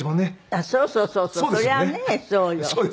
あっそうそうそうそう。